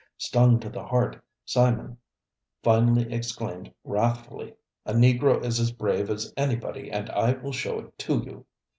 Stung to the heart, Simon finally exclaimed wrathfully, "A Negro is as brave as anybody and I will show it to you."